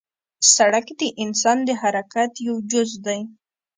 سړک د انسان د حرکت یو جز دی.